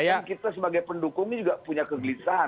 dan kita sebagai pendukung ini juga punya kegelisahan